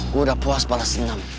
gue udah puas balas enam